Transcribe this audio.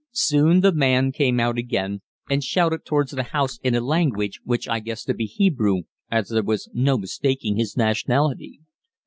Soon the man came out again and shouted towards the house in a language which I guessed to be Hebrew, as there was no mistaking his nationality.